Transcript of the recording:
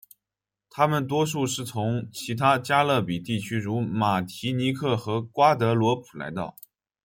他们多数是从其他加勒比地区如马提尼克和瓜德罗普来到。